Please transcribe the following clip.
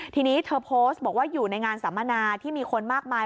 ทีนี้เธอโพสต์บอกว่าอยู่ในงานสัมมนาที่มีคนมากมาย